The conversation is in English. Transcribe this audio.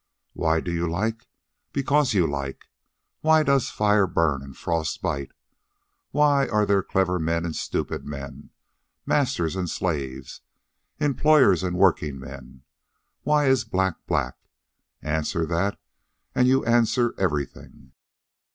Why do you like? Because you like. Why does fire burn and frost bite? Why are there clever men and stupid men? masters and slaves? employers and workingmen? Why is black black? Answer that and you answer everything."